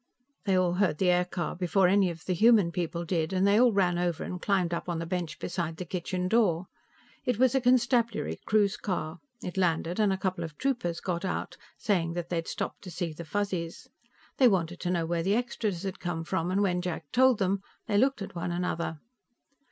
They all heard the aircar before any of the human people did, and they all ran over and climbed up on the bench beside the kitchen door. It was a constabulary cruise car; it landed, and a couple of troopers got out, saying that they'd stopped to see the Fuzzies. They wanted to know where the extras had come from, and when Jack told them, they looked at one another.